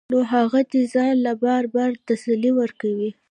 نو هغه دې ځان له بار بار دا تسلي ورکوي